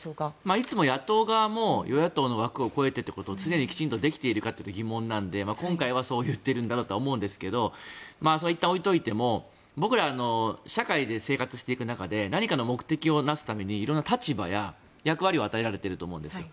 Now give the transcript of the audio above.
いつも野党側も与野党の枠を超えてということを常にきちんとできているかというと疑問なので今回はそう言っているんだろうなと思うんですがそれはいったん置いておいても僕ら、社会で生活していく中で何かの目的をなすために色々な立場や役割を与えられていると思うんですよ。